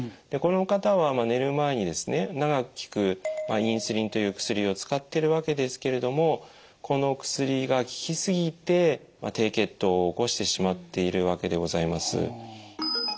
でこの方は寝る前にですね長く効くインスリンという薬を使ってるわけですけれどもこの薬が効き過ぎて低血糖を起こしてしまっているわけでございます。